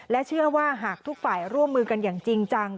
เชื่อว่าหากทุกฝ่ายร่วมมือกันอย่างจริงจัง